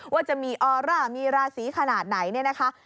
ว่าจะมีออร่ามีราศีขนาดไหนเนี่ยนะคะ